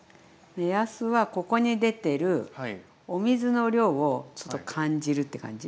目安はここに出てるお水の量をちょっと感じるって感じ？